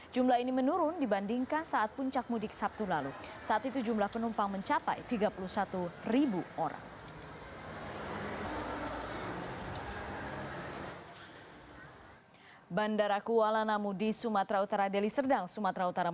jumlah ini menurun dibandingkan saat puncak mudik sabtu lalu